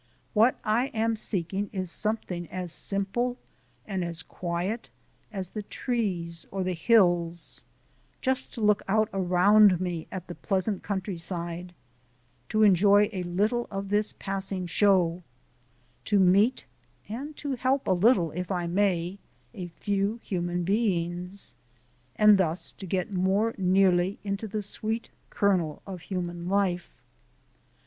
What I am seeking is something as simple and as quiet as the trees or the hills just to look out around me at the pleasant countryside, to enjoy a little of this show, to meet (and to help a little if I may) a few human beings, and thus to get nearly into the sweet kernel of human life.